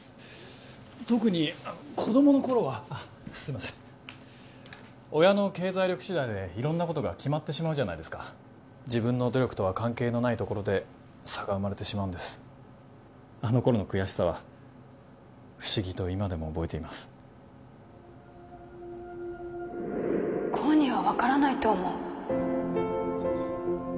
特に子供の頃はあっすいません親の経済力次第で色んなことが決まってしまうじゃないですか自分の努力とは関係のないところで差が生まれてしまうんですあの頃の悔しさは不思議と今でも覚えています功には分からないと思う